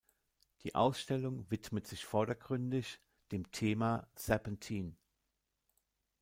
Die Ausstellung widmet sich vordergründig dem Thema „Serpentin“.